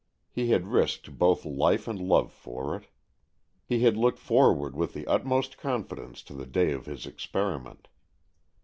He had risked both life and love for it. He had looked forward with the utmost confidence to the day of his experi ment.